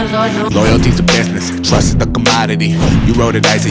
เดี๋ยวถ้าใครจะถ่ายรูปใครจะสอบถามปัญหาการเมืองภาคอาญ้าง